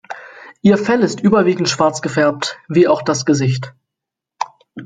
Ihr Fell ist überwiegend schwarz gefärbt, wie auch das Gesicht.